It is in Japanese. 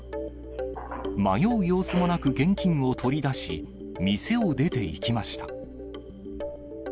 迷う様子もなく、現金を取り出し、店を出ていきました。